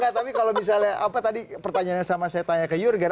tapi kalau misalnya apa tadi pertanyaan yang sama saya tanya ke jurgen